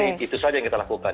jadi itu saja yang kita lakukan